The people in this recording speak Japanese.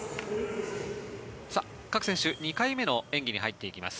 各選手、２回目の演技に入っていきます。